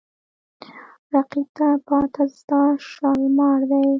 رقیب ته پاته ستا شالمار دی